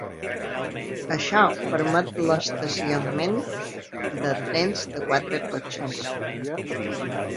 Això permet l'estacionament de trens de quatre cotxes.